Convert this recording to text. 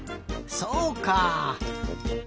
そうか。